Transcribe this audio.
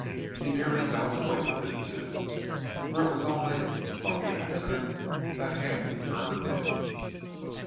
He nearly got away with it, too. For it was only lucky accident that Handy heard the news."